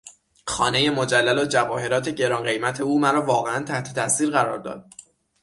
خانهی مجلل و جواهرات گران قیمت او مرا واقعا تحت تاثیر قرار داد.